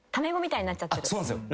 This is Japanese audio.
そうなんすよ。